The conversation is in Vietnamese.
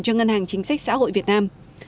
cho ngân hàng chính sách xã hội việt nam